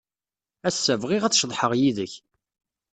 Ass-a, bɣiɣ ad ceḍḥeɣ yid-k.